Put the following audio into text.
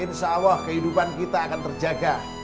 insya allah kehidupan kita akan terjaga